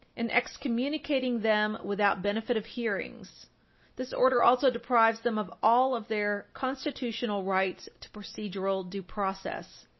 In excommunicating them without benefit of hearings, this order also deprives them of all their constitutional rights to procedural due process.